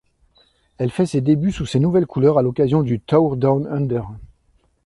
Elle fait ses débuts sous ses nouvelles couleurs à l'occasion du Tour Down Under.